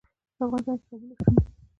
په افغانستان کې قومونه شتون لري.